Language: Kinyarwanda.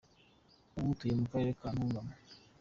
Ubu atuye mu Karere ka Ntungamo.